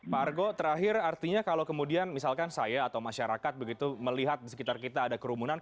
pak argo terakhir artinya kalau kemudian misalkan saya atau masyarakat begitu melihat di sekitar kita ada kerumunan